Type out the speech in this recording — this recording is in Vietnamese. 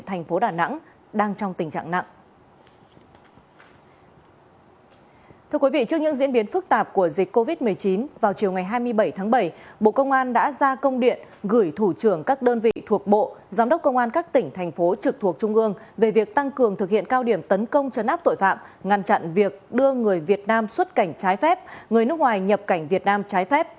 thưa quý vị trước những diễn biến phức tạp của dịch covid một mươi chín vào chiều ngày hai mươi bảy tháng bảy bộ công an đã ra công điện gửi thủ trưởng các đơn vị thuộc bộ giám đốc công an các tỉnh thành phố trực thuộc trung ương về việc tăng cường thực hiện cao điểm tấn công chấn áp tội phạm ngăn chặn việc đưa người việt nam xuất cảnh trái phép người nước ngoài nhập cảnh việt nam trái phép